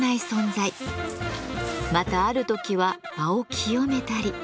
またある時は場を清めたり。